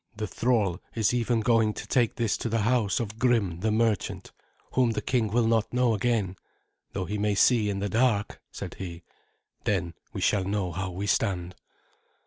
"The thrall is even going to take this to the house of Grim the merchant, whom the king will not know again, though he may see in the dark," said he; "then we shall know how we stand."